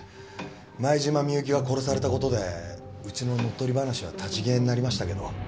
前島美雪が殺された事でうちの乗っ取り話は立ち消えになりましたけど。